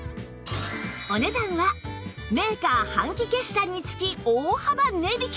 お値段はメーカー半期決算につき大幅値引き！